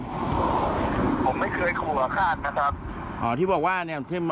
ผมไม่เคยขู่อาฆาตนะครับอ๋อที่บอกว่าเนี่ย